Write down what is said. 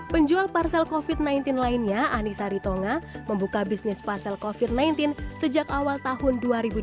penjual parsel covid sembilan belas lainnya anissa ritonga membuka bisnis parsel covid sembilan belas sejak awal tahun dua ribu dua puluh